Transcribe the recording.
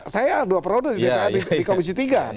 saya dua peronot di komisi tiga